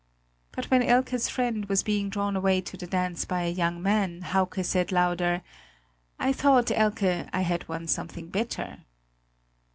But when Elke's friend was being drawn away to the dance by a young man, Hauke said louder: "I thought Elke, I had won something better!"